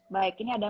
baik ini ada